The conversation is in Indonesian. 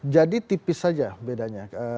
jadi tipis saja bedanya